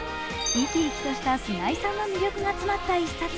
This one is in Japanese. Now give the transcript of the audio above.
生き生きとした菅井さんの魅力が詰まった一冊。